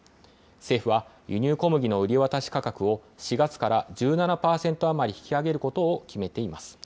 政府は輸入小麦の売り渡し価格を、４月から１７％余り引き上げることを決めています。